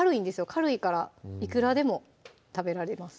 軽いからいくらでも食べられます